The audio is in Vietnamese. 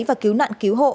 và cứu nạn cứu hộ